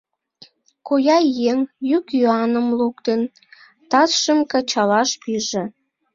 Коя еҥ, йӱк-йӱаным луктын, тазшым кычалаш пиже.